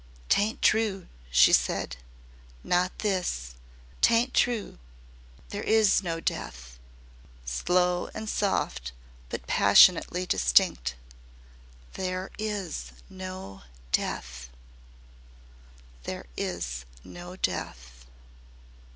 "'T ain't true," she said. "Not this. 'T ain't TRUE. There IS NO DEATH," slow and soft, but passionately distinct. "THERE IS NO DEATH."